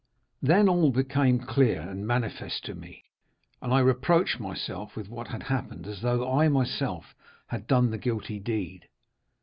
"Then all became clear and manifest to me, and I reproached myself with what had happened, as though I myself had done the guilty deed.